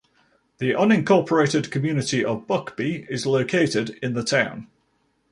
The unincorporated community of Buckbee is located in the town.